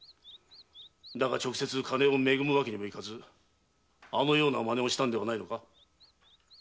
だが直接金を恵むわけにもいかずあのような真似をしたのではないのか？